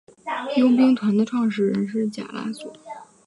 佣兵团的创始人是贾拉索。